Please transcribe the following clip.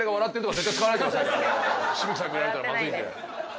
紫吹さんに見られたらまずいんで。